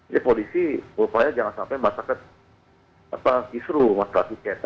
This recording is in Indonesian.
jadi polisi berupaya jangan sampai masak ke kisru masalah tiket